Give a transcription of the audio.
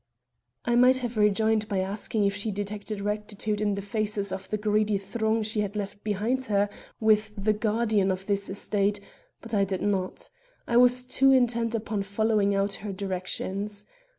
I might have rejoined by asking if she detected rectitude in the faces of the greedy throng she had left behind her with the guardian of this estate; but I did not. I was too intent upon following out her directions.